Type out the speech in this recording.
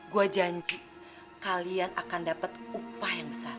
gue janji kalian akan dapat upah yang besar